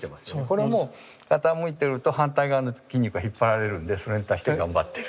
これはもう傾いてると反対側の筋肉が引っ張られるのでそれに対して頑張ってる。